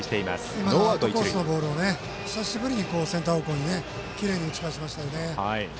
今のはアウトコースのボールを久しぶりにセンター方向にきれいに打ち返しましたよね。